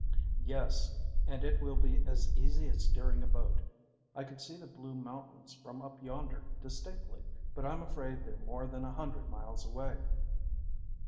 "Yes, and it will be as easy as steering a boat. I could see the blue mountains from up yonder distinctly, but I'm afraid they're more than a hundred miles away."